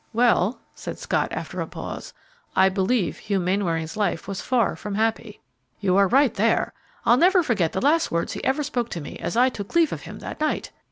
"Well," said Scott, after a pause, "I believe Hugh Mainwaring's life was far from happy." "You are right there. I'll never forget the last words he ever spoke to me as I took leave of him that night.